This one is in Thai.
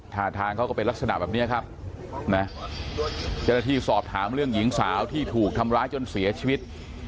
ท่าทางเขาก็เป็นลักษณะแบบนี้ครับนะเจ้าหน้าที่สอบถามเรื่องหญิงสาวที่ถูกทำร้ายจนเสียชีวิต